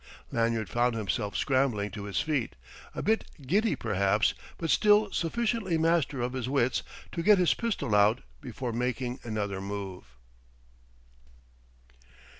Lanyard found himself scrambling to his feet, a bit giddy perhaps, but still sufficiently master of his wits to get his pistol out before making another move.